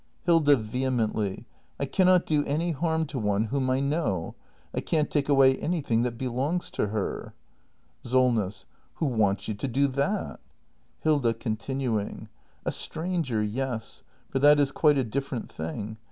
Hilda. [Vehemently.] I cannot do any harm to one whom I know! I can't take away anything that belongs to her. SOLNESS. Who wants you to do that ? Hilda. [Continuing.] A stranger, yes! for that is quite a dif ferent thing!